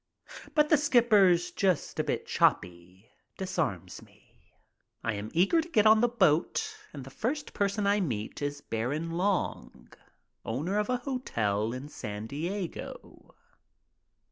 But the skipper's "just a bit choppy" disarms me. I am eager to get on the boat, and the first person I meet is Baron Long, owner of a hotel in San Diego.